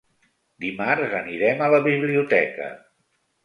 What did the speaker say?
Dimarts anirem a la biblioteca.